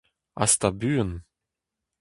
Hasta buan !